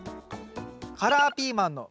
「カラーピーマンの」